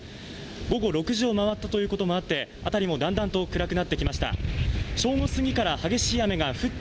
午後６時を回ったということもあって辺りはだんだん暗くなってきました。